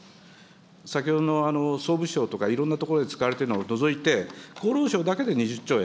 先ほどの総務省とか、いろんなところで使われているのを除いて、厚労省だけで２０兆円。